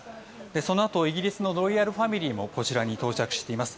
そのあとイギリスのロイヤルファミリーもこちらに到着しています。